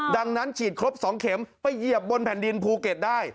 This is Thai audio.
ดังนั้นฉีดครบ๒เข็มไปเหยียบบนแผ่นดินภูเก็ตได้